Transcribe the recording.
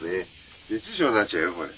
熱中症になっちゃうよこれ。